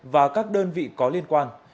và các đơn vị có liên quan